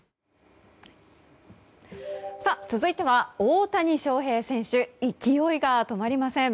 続いては、大谷翔平選手勢いが止まりません。